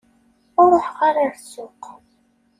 Ur ruḥeɣ ara ɣer ssuq.